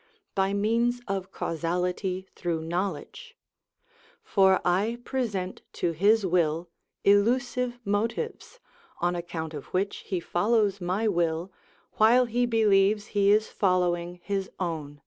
_, by means of causality through knowledge; for I present to his will illusive motives, on account of which he follows my will, while he believes he is following his own.